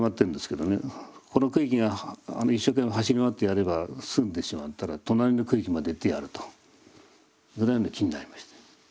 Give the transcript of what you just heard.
この区域が一生懸命走り回ってやれば済んでしまったら隣の区域も出てやるとぐらいの気になりまして。